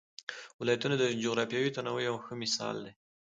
ولایتونه د جغرافیوي تنوع یو ښه مثال دی.